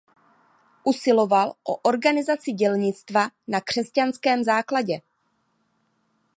Usiloval o organizaci dělnictva na křesťanském základě.